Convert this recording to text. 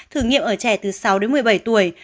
thử nghiệm ở trẻ từ sáu đến một mươi bảy tuổi